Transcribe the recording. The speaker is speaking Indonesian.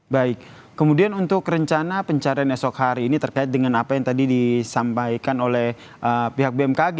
baik kemudian untuk rencana pencarian esok hari ini terkait dengan apa yang tadi disampaikan oleh pihak bmkg